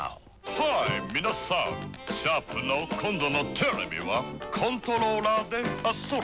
ハイ皆さんシャープの今度のテレビはコントローラーであっそれ